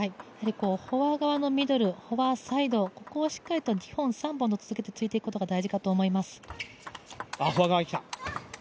フォア側のミドル、フォアサイド、ここを２本、３本としっかり突いていくことが大事になると思います。